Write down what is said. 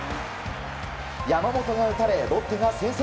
山本が打たれ、ロッテが先制。